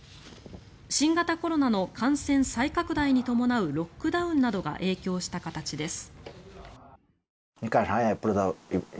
新型コロナの感染再拡大に伴うロックダウンなどが影響した形です。